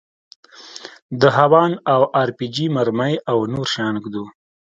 د هاوان او ار پي جي مرمۍ او نور شيان ږدو.